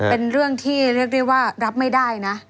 เป็นเรื่องที่เรียกได้ว่ารับไม่ได้นะ